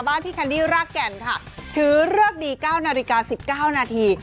พี่แคนดี้รากแก่นค่ะถือเลิกดี๙นาฬิกา๑๙นาที